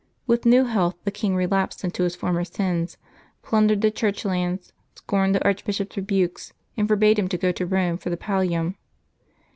With new health the king relapsed into his former sins, plundered the Church lands, scorned the arch bishop's rebukes, and forbade him to go to Rome for the pallium.